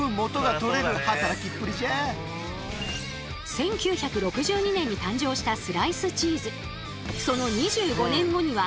１９６２年に誕生したスライスチーズ。